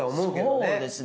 そうですね。